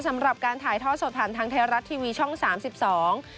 สำหรับการถ่ายท่อสดผ่านทางไทยรัฐทีวีช่องสามสิบสอง